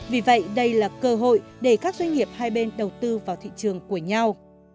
vì vậy đây là cơ hội để các doanh nghiệp hai bên đầu tư vào thị trường của nhau